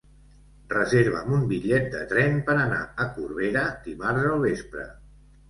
Reserva'm un bitllet de tren per anar a Corbera dimarts al vespre.